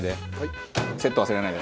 セット忘れないで。